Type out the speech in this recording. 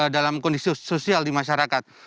dalam kondisi sosial di masyarakat